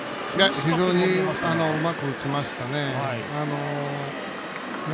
非常にうまく打ちましたね。